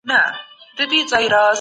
زموږ په تاریخ کي ترخې خاطرې سته.